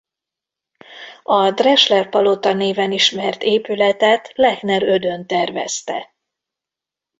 A Drechsler-palota néven ismert épületet Lechner Ödön tervezte.